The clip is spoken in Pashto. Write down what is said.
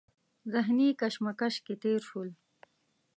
ذهني کشمکش کې تېر شول.